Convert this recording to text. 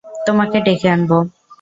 তোমাকে ডেকে আনব।